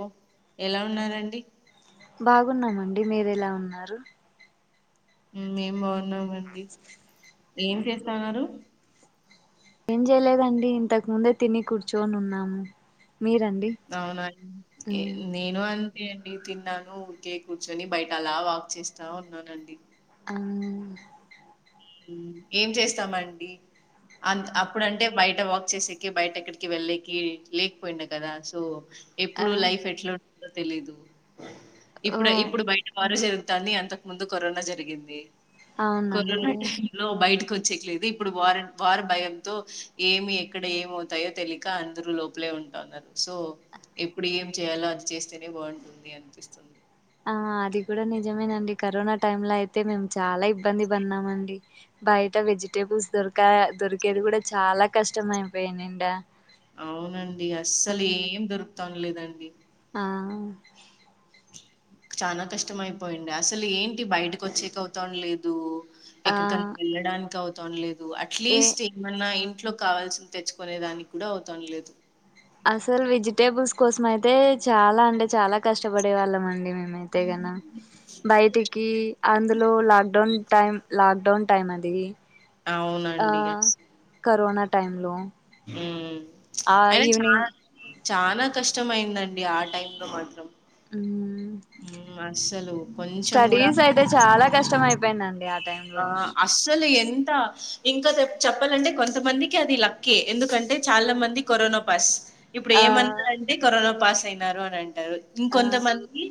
ఓ ఎలా ఉన్నారండి బాగున్నామండి మీరెలా ఉన్నారు మే బా ఉన్నామండి ఏం చేస్తన్నారు ఏం చేయలేదండి ఇంతకు ముందే తిని కూర్చుని ఉన్నాము మీరండి అవునా హ్మ్. నేను అం అే అండి తిన్నాను ఊరికే కూర్చొని బయట అలా వాక్ చేస్తా ఉన్నానండి అ ఏం చేస్తామండి అంత అప్పుడంటే బయట వాక్ చేసేకి బయట ఎక్కడికి వెళ్ళకి లేకపోయిడు కదా సో ఆ ఎప్పుడు లైఫ్ ఎట్లా తెలిదు ఓ ఇప్పుడ ఇప్పుడు బయట వారుస తనీ అంతకు ముందు కరోనా జరిగింది అవునండి లో బయటకు వచ్చేకియలేదు ఇప్పుడు వార వారు భయంతో ఏమి ఎక్కడ ఏమవుతాయో తెలియక అందరూ లోపలే ఉంటన ఉన్నారు సో ఎప్పుడే చేయాలో అది చేస్తేనే బాగుంటుంది అనిపిస్తుంది ఆ అది కూడా నిజమేనండి కరోనా టైమ్ లో అయితే మేము చాలా ఇబ్బంది పడిన్నామ అండి బయట వెజిటేబుల్స్ దొరకా దొరికేది కూడా చాలా కష్టం అయిపోయా నిం అవునండి అస్సలు ఏం దొరుకు తొనలేదండి ఆ చనా కష్టంమయిపోయిండె అసలు ఏంటి బయటకు వచ్చేక అవుతాం లేదు ఆ ఎక్కడికన్నా వెళ్ళడానికి అవుతు తొనలి ఏ అట్లీస్ట్ ఏమన్నా ఇ ఇంట్లో కావాల్సిిన తెచ్చుకునే దానికి కూడా అవుతంలేదు అసలు వెజిటేబుల్స్ కోసం అయితే చాలా అంటే చాలా కష్టపడే వాళ్ళండి ైతే కదా బయటికి అందులో లాక్డౌన్ టైం లాక్డౌన్ టైమ్ అది ఆ అవునండి కరోనా టైంలో ఆ ఆ ఈవనింగ్ చనాా కష్టంమయిందండి ఆ టైం లో మాత్రం హ్మ్. అస్సలు కొంచెం గూడా స్టడీస్ అయితే చాలా కష్టం అయిపోయిందండి ఆ టైం లో ఆ అస్సలు ఎంత ఇంకా చెప్పాలంటే కొంతమందికి అది లక్కే ఎందుకంటే చాలా మంది కరోనా పస్ ఇప్పుడు ఆ ఏమన్నా అంటే కరోనా పాస్ సైమారు అ రండి ఆ ఇంకొంత మంది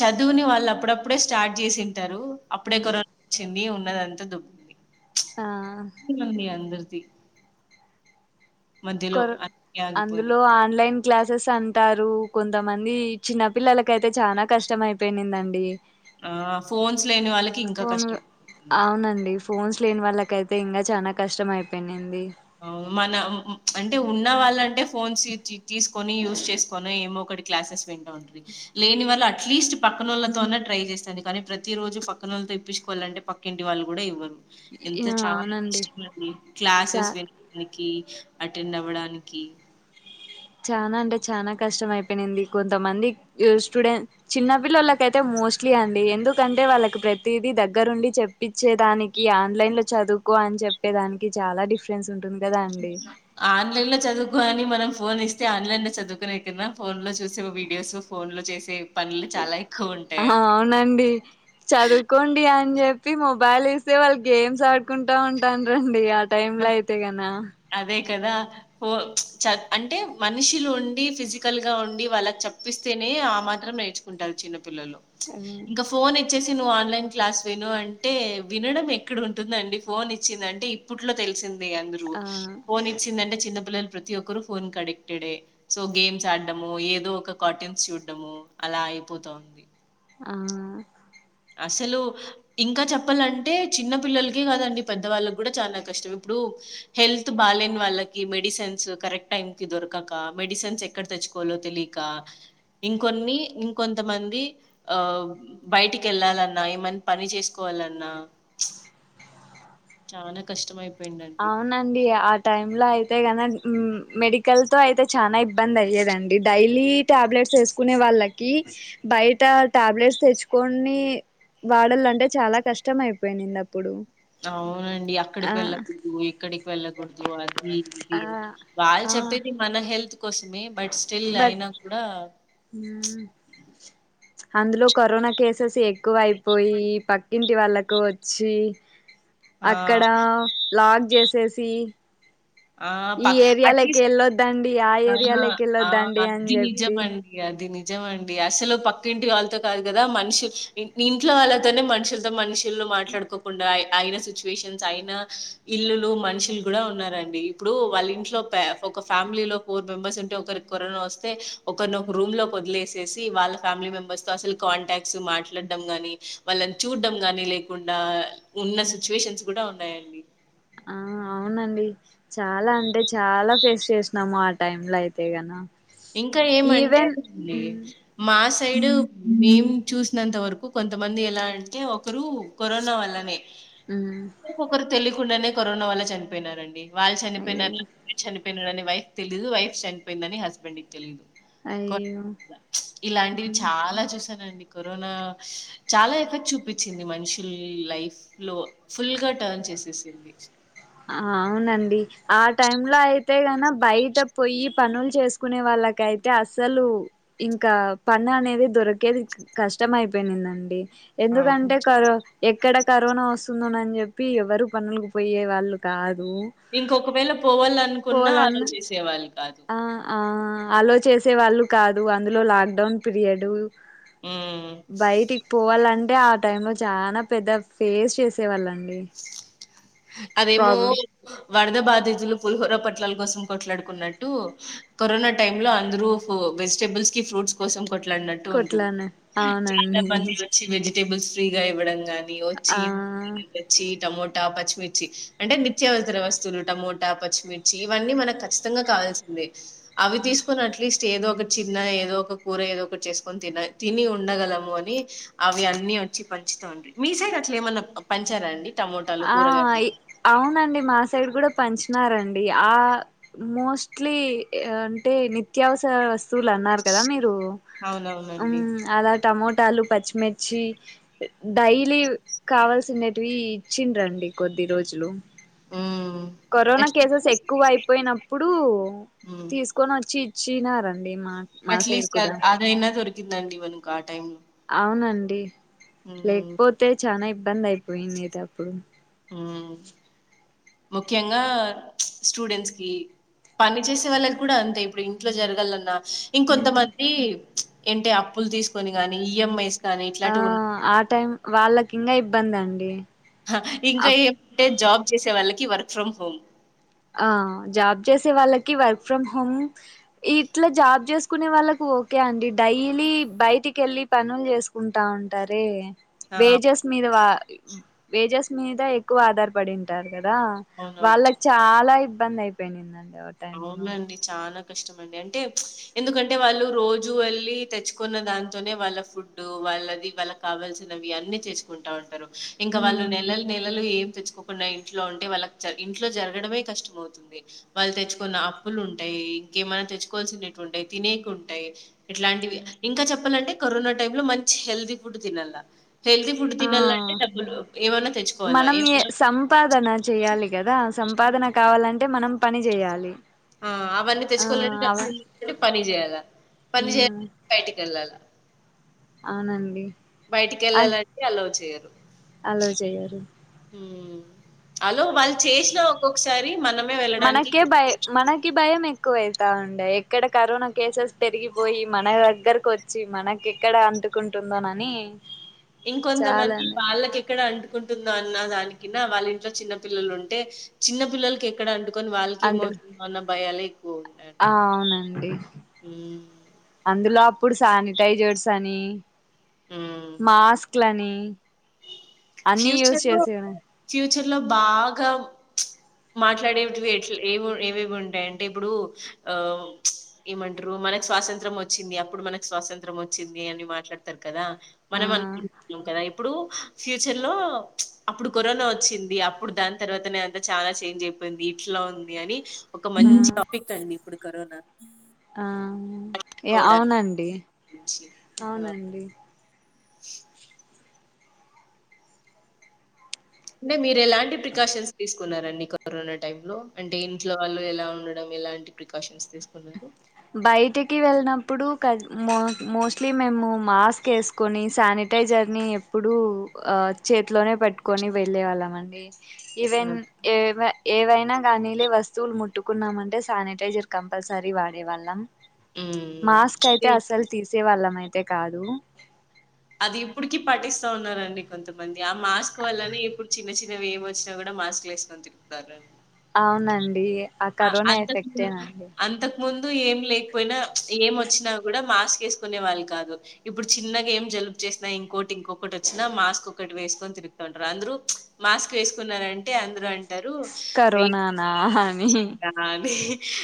చదువుని వాళ్ళు అప్పుడప్పుడే స్టార్ట్ చేసింటారు అప్పుడే క ీ ఉన్నదంతా దుకుంది ఆ మంది అందరు [unintelligible] మధ్యలో కొ అన్నీ ఆగిపోయినయి. అందులో ఆన్లైన్ క్లాసెస్ అంటారు కొంతమంది చిన్న పిల్లలకయితే చాలా కష్టం అయిపోయిందండి ఆ ఫోన్స్ లేని వాళ్ళకి ఇంకా ఫోన్ కష్టంతుంది ఇకైతే ఇంకా చానా కష్టం అయిపోయింది మన అంటే ఉన్న వాళ్ళంటే ఫోన్స్ తీసుకొని యూస్ చేసుకొని ఏమో ఒకటి క్లాసెస్ విన్ [unintelligible] లేని వాళ్ళ అ అట్లీస్ట్ పక్కనోళ్ళతోన్న ట్రై చేస్తాంది కానీ ప్రతిరోజు పక్కనోళ్ళతో ఇప్పించుకోవాలంటే పక్కింటి వాళ్ళు కూడా ఇవ్వరు ఎంత చాలా అవునండి ఇష్టమ అండి క్లాసెస్ చా విన్ కి అటెండ్ అవ్వడానికి చానా అంటే చానా కష్టం అయిపోయినంది కొంతమంది స్టూడెంట్ చిన్నపిల్లలకి అయితే మోస్ట్లీ అండి ఎందుకంటే వాళ్ళకి ప్రతిది దెగ్గరుండి చెప్పచ్చేదానికి ఆన్లైన్ లో చదువుకో అని చెప్పేదానికి చాలా డిఫరెన్స్ ఉంటు ఆన్లైన్ లో చదువుకో అని మనం ఫోన్ ఇస్తే ఆన్లైన్ లో చదువుకునే కన్నా ఫోన్ లో చూసే వీడియోస్ ఫోన్ లో చేసే పనులు చాలా ఎక్కువ ఆ ఉంటాయండి అవునండి చదువుకోండి అని అని చెప్పి మొబైల్ ఇస్తే వాళ్ళు గేమ్స్ ఆడుకుంటా ఉంటారండి టైంలో అయితే కనా అదే కదా అంటే మనుషులు ఉండి ఫిజికల్ గా ఉండి వాళ్ళకి చప్పిస్తేనే ఆ మాత్రం నేర్చుకుంటారు చిన్నపు పిల్లలు ఇంకా ఫోన్ ఇచెసి నువ్వు ఆన్లైన్ క్లాస్ విను అంటే వినడం ఎక్కడ ఉంటుందండి ఫోన్ ఇచ్చిందంటే ఇప్పుట్లో తెలిసింది అందరూ ఆ ఫోన్ ఇచ్చిందంటే చిన్న పిల్లలు ప్రతి ఒక్కరు ఫోన్ కి అడిక్టెడే సో గేమ్స్ ఆడము ఏదో ఒక కార్టూన్స్ చూడము అలా అయిపోతుంది ఆ అసలు ఇంకా చెప్పాలంటే చిన్న పిల్లలకే కాదండి పెద్ద వాళ్ళకి కూడా చాలా కష్టం ఇప్పుడు హెల్త్ బాగాలేని వాళ్ళకి మెడిసిన్స్ కరెక్ట్ టైమ్ కి దొరకక మెడిసిన్స్ ఎక్కడ తెచ్చుకోవాలో తెలియక ఇంకొన్ని ఇంకొంతమంది ఆ బయటికి వెళ్ళాలన్నా ఏమన్నా పని చేసుకోవాలన్నా చానా కష్టమై అవునండి ఆ టైమ్ లో అయితే గన మెడికల్ తో అయితే చాలా ఇబ్బంది అయ్యేదండి డైలీ టాబ్లెట్స్ వేసుకునే వాళ్ళకి బయట టాబ్లెట్స్ తెచ్చుకోని వాడాలంటే చాలా కష్టం అయిపోయినంది అప్పుడు అవునండి ఆ అక్కడికి వెళ్ళకు ఎక్కడికి వెళ్ళకూడదు అది ఇది ఆ వాళ్ళు ఆ చెప్పేది మన హెల్త్ కోసమే బట్ స్టిల్ బట్ అయినా కూడా హ్మ్ అందులో కరోనా కేసెస్ ఎక్కువ అయిపోయి పక్కింటి వాళ్ళకు వచ్చి ఆ అక్కడ లాక్ చేసేసి ఆ ప ఈ ఏరియా లోకి అట్లీస్ట్ ఎళ్ళొద్దండి ఆ ఆ అది నిజం చెప్పి అండి అది నిజ నిజం అండి అసలు పక్కింటి వాళ్ళతో కాదు కదా మనుషు ఇంట్లో వాళ్ళతోనే మనుషులతో మనిషి ఇల్లు మాట్లాడుకోకుండా అయిన సిచ్యువేషన్స్ అయిన ఇల్లులు మనుషులు కూడా ఉన్నారండి ఇప్పుడు వాళ్ళ ఇంట్లో ఒక ఫ్యామిలీలో ఫోర్ మెంబెర్స్ ఉంటే ఒకరికి కరోనా వస్తే ఒకరిని ఒక రూమ్ లో వదిలేసేసి వాళ్ళ ఫ్యామిలీ మెంబర్స్ తో అసలు కాంటాక్ట్స్ మాట్లాడడం గాని వాళ్ళని చూడడం కానీ లేకుండా ఉన్న సిట్యుయేషన్ కూడా ఉన్నాయి అండి ఆ అవునండి చాలా అంటే చాలా ఫేస్ చేసినము ఆ టైమ్ లో అయితే గన ఇంకా ఏమంటే ఈవెన్ మ్మ్ మాస్ సైడ్ మేము చూసినంత వరకు కొంతమంది ఎలా అంటే ఒకరు కరోనా వల్లనే మ్మ్ ఒక్కరు తెలుగు కుండానే కరోనా వల్ల చనిపోయినారండి వాళ్ళు చనిపోయిన అయ్యో వీళ్ళు చనిపో [unintelligible] వైఫ్ తెలీదు వైఫ్ చనిపోయిందని హస్ [unintelligible] లి తెలీదు కొ అయ్యో [unintelligible] ఇలాంటివి మ్మ్ చాలా చూసానండి కరోనా చాలా ఎఫక్ట్ చూపించింది మనుషుల్ లైఫ్ లో ఫుల్గా టర్న్ చేసేసింది ఆ అవునండి ఆ టైమ్ లో అయితే న బయట పోయి పనులు చేసుకునే వాళ్ళకయితే అస్సలు ఇంకా పని అనేది దొరికేది కష్టం అయిపోయిందండి అవును, ఎందుకంటే కరో ఎక్కడ కరోనా వస్తుందనని చెప్పి ఎవరు పనులకు పోయే వాళ్ళు కా ఇంకొకవేళ పోవాలనుకున్నా అల్లో పోవాలన్నా చేసే వాళ్ళు కాదు వచ్చే వాళ్ళు కాదు అందులో లాక్డౌన్ పీరియడ్ మ్మ్ బైటికి పోవాలం అంటే ఆ టై లో చాలా పెద్ద ఫేస్ చేసే వాళ్ళ అదేం మూయి వ వరద బాధతులు పులిహోర పొట్లల కోసం కొట్లాడుకున్నాట్టు కరోనా టైమ్ లో అందరు వెజిటబుల్స్ కి ఫ్రూట్ కోసం కొట్లాడినట్టు ఉంటుంది కొట్లానే అవునండి వెజిటబుల్స్ ఫ్రీ గా ఇవ్వడం గాని ఆ టమోట, పచ్చిమిర్చి అంటే నిత్యావసర వస్తువులు టమోటా, పచ్చిమిర్చి ఇవన్నీ మనకు కచ్చితంగా కావాల్సిందే అవి తీసుకొని అట్లీస్ట్ ఏదో ఒకటి చిన్న ఏదో ఒక కూర ఏదో ఒకటి చేసుకొని తిన తిని ఉండగలము అని అవి అని వచ్చి పంచుతుండిరి పంచార అండి ఆ అవునండి మా సైడ్ కూడా పంచినారండి ఆ మోస్ట్లీ అంటే నిత్యావసర వ వస్తువులు అన్నారు కదా మీరు ఉ అవునవునండి అలా టమోటాలు పచ్చిమిర్చి డైలీ కావాల్సిండేటివి ఇచ్చిండి రండి కొద్ది రోజులు మ్మ్ కరోనా కేసెస్ ఎక్కువ అయిపోయినప్పుడు తీసుకొని వచ్చి చినారండి మా మా ఆట్ సైడ్ లిస్ట్ కూడా అది అయినా దోరి తినాల అండి వాళ్ళకా టైం అవునండి లేక్పొతే చనా ఇబ్బంది అయ్యేది పోయింది కదా అప్పుడు ముఖ్యంగా స్టూడెంట్స్ కి పని చేసే వాళ్ళకి కూడా అంతే ఇప్పుడు ఇంట్లో జరగాలన్న ఉమ్, ఇంకొంతమంది ఏంటే అప్పులు తీసుకొని గాని ఈఎంఐ స్ ఆ ఆ టైం వాళ్ళకి ఇంకా ఇబ్బంది అండి ఇంకా అప్ ఏమంటే జాబ్ చేసే వాళ్ళు కి వర్క్ ఫ్రం హోమ్ ఆ జాబ్ చేసే వాళ్ళకి వర్క్ ఫ్రమ్ హోమ్ ఇట్లా జాబ్ చేసుకునే వాళ్ళకి ఓకే అండి డైలీ బయటికి వెళ్ళి పనులు చేసుకుంటా ఉంటారే ఆ వేజస్ మీద వా వేజస్ మీద ఎక్కువ ఆధారపడింటారు కదా అవునవును వాళ్ళకి చాల ఇబ్బంది అయిపోయినిందండి ఆ టైమ్ లో అవునండి చాల కష్టమండి అంటే ఎందుకంటే వాళ్ళు రోజు వెళ్ళి తెచ్చుకున్న దాంతోనే వాళ్ళ ఫుడ్ వాళ్ళది వాళ్ళకి కావాల్సినవి అన్ని తెచ్చుకుంటా ఉంటారు ఇంకా వాళ్ళు ఉమ్ నెలలు నెలలు ఏమ్ తెచ్చుకోకుండా ఇంట్లో ఉంటే వాళ్ళకు ఇంట్లో జరగడమే కష్టం అవుతుంది వాళ్ళు తెచ్చు కొన్న అప్పులు ఉంటాయి, ఇంకేమనా తెచ్చుకోవాల్సినవి ఉంటాయి తినేకుంటాయి, ఇట్లాంటివి ఇంకా చెప్పాలంటే కరోనా టైమ్ లో మంచి హెల్తీ ఫుడ్ తినాల, హెల్తీ ఫుడ్ ఆ తినాలంటే డబ్బులు ఏమన్నా తెచ్చుకోవాలా మనం ఏ ఏమన్నా సంపాదన చెయాలి, కదా సంపాదన కావాలంటే మనం పని చేయాలి, ఆ అవన్నీ ఆ తెచ్చుకోవాలంటే అవ డబ్బులుంటేనే పని చేయాలా పని ఉమ్ చేయాలంటే బయటికి వెళ్ళాలా, అవునండి బయటికి అ వెళ్ళాలంటే అలో చేయారు. అలో చెయ్యారు అలో వాళ్ళు చేసినా ఒక్కొక్కసారి మనమే వెళ్ళడానికి మనకే భయ మనకి భయం ఎ ఎక్కువ అయిత ఉండే ఎక్కడ కరోనా కేసెస్ పెరిగిపోయి, మన దగ్గరకు వచ్చి మనకి ఎక్కడ అంటుకుంటుందోనని, ఇంకొంతమంది చాలానే వాళ్ళకి ఎక్కడ అంటుకుంటుందో, అన్న దాన్ని వాళ్ళ ఇంట్లో చిన్న పిల్లలు ఉంటే చిన్న పిల్లలకి ఎక్కడ అన్ ని వాళ్ళకి అంటు ఏమవుతుంద, ఉన్న భయాలే, ఎ ఆ అవునండి ఉమ్. ఇప్పుడు శానిటైజర్స్ అని మాస్క్ అట్లని ఫ్యూచర్ లో ఫ్యూచర్ లో బాగా మాట్లాడేటివి ఎలా ఏ ఏమేవి ఉంటాయి అంటే ఇప్పుడు ఆ ఏమంటారు మనకు స్వాతంత్రం వచ్చింది అప్పుడు మనకు స్వాతంత్రం వచ్చింది అని మాట్లాడతారు. కదా ఆ మనం అనుకుంటున్నాము కదా ఇప్పుడు ఫ్యూచర్ లో అప్పుడు కరోనా వచ్చింది, అప్పుడు దాని తర్వాతనే అంతా చాలా చేంజ్ అయిపోయింది, ఇట్లా ఉంది అని ఒక ఆ మంచి టాపిక్ అండి ఇప్పుడు కారోనా ఆ ఏ అవునండి, గురించి. ఆ! అవునండి [unintelligible] అంటే మీరు ఎలాంటి ప్రికాషన్స్ తీసుకున్నారండి, కరోనా టై లో అంటే ఇంట్లో వాళ్ళు ఎలా ఉండడం ఎలాంటి ప్రికాషన్స్ తీసుకున్నారు. బయటికి వెళ్ళినప్పుడు మోస్ట్లీ మేము మాస్క్ వేసుకొని శానిటైజర్ ని ఎప్పుడూ చేతిలోనే పెట్టుకొని వెళ్ళే వాళ్ళం అండి. ఈవెన్ ఏవ ఏవైనా, కానీలే వస్తువులు ముట్టుకున్నాంమంటే శానిటైజర్ కంపల్సరీ వాడి, డె వాళ్ళం, మ్మ్ మాస్క్ అయితే అసలు తీస్ తీసే వాళ్ళం అయితే కాదు, అది ఇప్పుటికి పటిస్తా ఉన్నారండి కొంతమంది ఆ మాస్క్ వల్లనే ఇప్పుడు చిన్న చిన్నవి ఏమి వచ్చినా కూడా మాస్క్లు వేసుకొని తిపుతారు. అవునండి ఆ కరోనా అంతకు ము ఎఫెక్టేనండి అంతకు ముందు ఏం లేకపోయినా ఏం వచ్చినా కూడా మాస్క్ వేసుకునే వాళ్ళు కాదు ఇప్పుడు చిన్నగా ఏం జ యూస్ చేసిన ఇంకొటి ఇంకాకటి వచ్చిన మాస్క్ ఒకటి వెస్కొని తిరుగుతా ఉంటారు, అందరూ మాస్క్ వేకున్నారంటే, అందరూ అన్న అంటారు కరోనానా అని [unintelligible] అని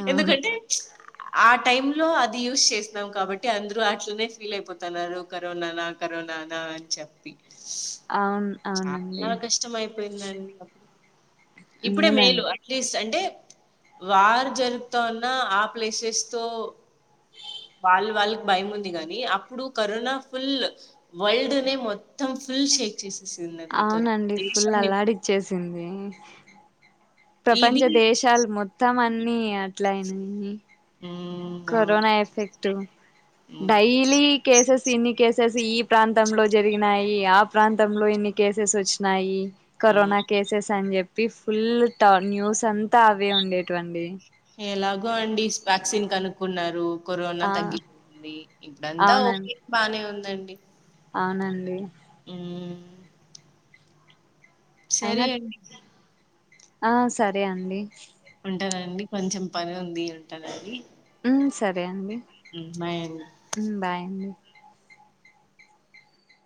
ఆ ఎందుకంటే ప్చ్ ఆ టైం లో అది యూస్ చేసినాం కాబట్టి. అందరూ అట్లనే ఫీల్ అయిపోతున్నారు. కరోనా నా కరోనానా అని చెప్పి అవును అవునండి చాలా కష్టం అయిపోయిందండి. ఇప్పుడే అవునండి మేలు అట్లీస్ అంటే వార్ జర్గుత్తున్న ఆ ప్లేసెస్ తో, వాళ్ వాళ్ళకి భయం ఉంది గానీ. అప్పుడు కరోనా ఫుల్ వల్డ్నే మొత్తం. ఫుల్ షేక్ చేస్ అవునండి ఫుల్ అల్లాడిచ్చేసింది. ప్రపంచ ఇది దేశాల్ మొత్తం అన్ని అట్లయినాయి. మ్మ్ అవును కరోనా ఎఫెక్టు మ్మ్ డైలీ కేసెస్ ఇన్ని కేసెస్ ఈ ప్రాంతంలో జరిగినాయి. ఆ ప్రాంతంలో ఇన్ని కేసెస్ వచ్చినాయి. మ్మ్ కరోనా కేసెస్ అని చెప్ ప్పి ఫుల్ ట న్యూస్ అంతా అవే ఉండేట్వండి. ఎలాగో అండి స్వ్యాక్సిన్ కనుక్కున్నారు. కోరోనా ఆ తగ్గిపోయింది. ఇప్పుడంతా అవునం ఓకె బానే ఉంద్ నండి అవునండి సరే అయినా అండి ఆ సరే అండి ఉంటనండి కొంచెం పని ఉంది ఉంటనండి. ఉహ్ సరే అండ్ అండి హ్మ్ బాయ్ అండి